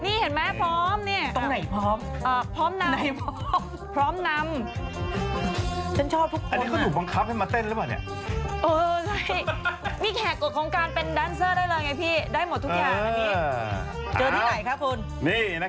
นี่เห็นไหมพร้อมเนี่ย